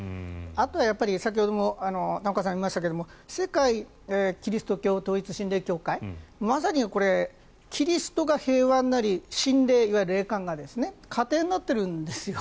あとは先ほども玉川さんがおっしゃいましたが世界基督教統一神霊協会まさにキリストが平和になり神霊、いわゆる霊感が家庭になっているんですよ。